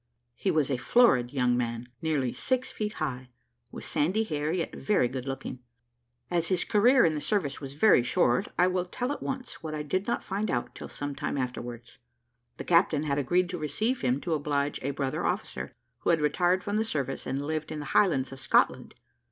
He was a florid young man, nearly six feet high, with sandy hair, yet very good looking. As his career in the service was very short, I will tell at once, what I did not find out till some time afterwards. The captain had agreed to receive him to oblige a brother officer, who had retired from the service, and lived in the Highlands of Scotland.